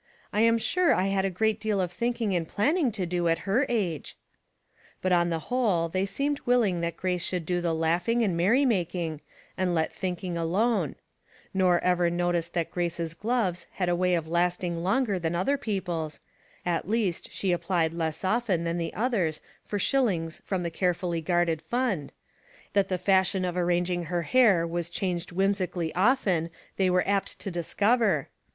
I'm sure I had a great deal of thinking and planning to do at her age." But on the whole they seemed willing that Grace should do the laughing and merry making, and let thinking alone ; uor ever noticed that Grace's gloves had 14 Household Puzzles, a way of lasting longer than other people's, at least she applied less often than the others for shillings from the carefully guarded fund; that the fashion of arranging her hair was changed whimsically often they were apt to discover.